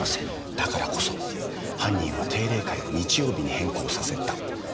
だからこそ犯人は定例会を日曜日に変更させた。